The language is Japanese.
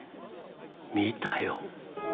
見たよ。